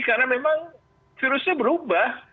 karena memang virusnya berubah